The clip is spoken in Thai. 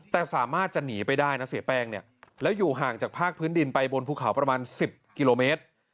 แต่สามารถจะหนีไปได้นะเสียแป้งเนี่ยแล้วอยู่ห่างจากภาคพื้นดินไปบนภูเขาประมาณ๑๐กิโลเมตร